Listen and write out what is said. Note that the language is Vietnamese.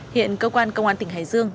hiện cơ quan công an tỉnh hải dương